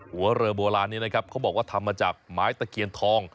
หัวเรือโบราณนี้นะครับเขาบอกว่าทำมาจากไม้ตะเคียนทอง